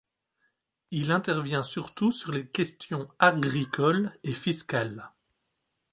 Il intervient surtout sur les questions agricoles et fiscales.